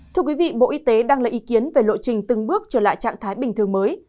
thưa quý vị bộ y tế đang lấy ý kiến về lộ trình từng bước trở lại trạng thái bình thường mới